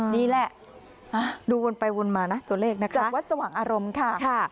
นี่แหละดูวนไปวนมานะตัวเลขนะคะจากวัดสว่างอารมณ์ค่ะ